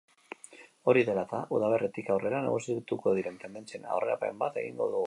Hori dela eta, udaberritik aurrera nagusituko diren tendentzien aurrerapen bat egingo dugu.